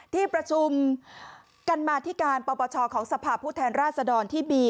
ที่ประชุมกันมาที่การปปชของสภาพผู้แทนราชดรที่มี